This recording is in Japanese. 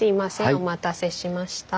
お待たせしました。